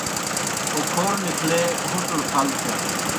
اوکھور نِکھلے ہُڇَڑ پھل تِھیا۔